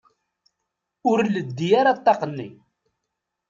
Ur leddi ara ṭṭaq-nni.